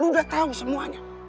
lo udah tau semuanya